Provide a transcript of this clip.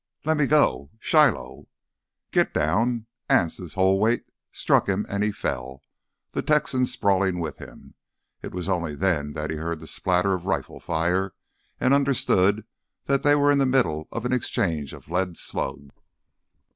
"Let me go! Shiloh—" "Get down!" Anse's whole weight struck him, and he fell, the Texan sprawling with him. It was only then that he heard the spatter of rifle fire and understood that they were in the middle of an exchange of lead slugs.